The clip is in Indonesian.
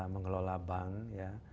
mengelola bank ya